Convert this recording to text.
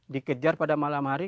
dikejar pada malam hari